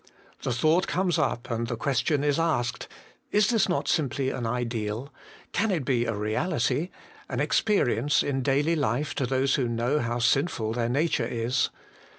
The thought comes up, and the question is asked : Is this not simply an ideal ? can it be a reality, an experience in daily life to those who know how sinful their nature is